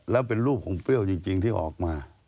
แล้วเป็นรูปของเปรี้ยวจริงที่ออกมา